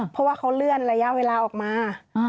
เพราะว่าเขาเลื่อนระยะเวลาออกมา